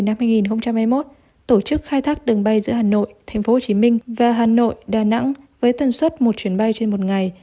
năm hai nghìn hai mươi một đến ngày hai mươi tháng một mươi năm hai nghìn hai mươi một tổ chức khai thác đường bay giữa hà nội tp hcm và hà nội đà nẵng với tần suất một chuyến bay trên một ngày